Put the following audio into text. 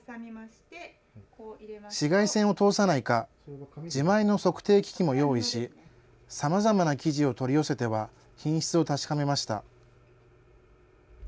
紫外線を通さないか、自前の測定機器も用意し、さまざまな生地を取り寄せては、品質を確かめました。